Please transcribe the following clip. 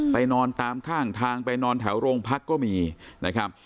นอนตามข้างทางไปนอนแถวโรงพักก็มีนะครับ